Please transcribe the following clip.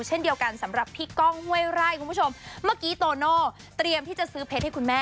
เช่นเดียวกันสำหรับพี่ก้องห้วยไร่คุณผู้ชมเมื่อกี้โตโน่เตรียมที่จะซื้อเพชรให้คุณแม่